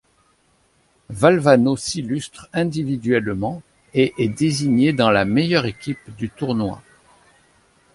Valvano s'illustre individuellement et est désigné dans la meilleure équipe du tournoi.